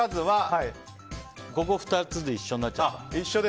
ここが２つで一緒になっちゃった。